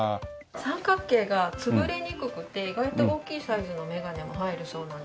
三角形が潰れにくくて意外と大きいサイズのメガネも入るそうなんですね。